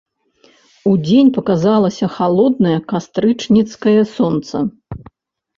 Удзень паказалася халоднае кастрычніцкае сонца.